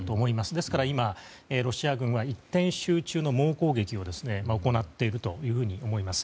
ですから、今ロシア軍は一点集中の猛攻撃を行っていると思います。